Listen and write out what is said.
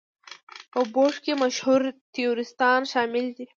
په بورډ کې مشهور تیوریستان شامل دي.